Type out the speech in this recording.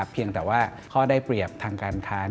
เพียงแต่ว่าข้อได้เปรียบทางการค้า